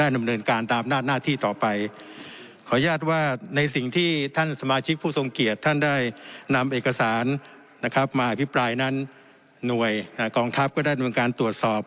นำเอกสารนะครับมาพิปรายนั้นหน่วยอ่ากองทัพก็ได้ด้วยการตรวจสอบ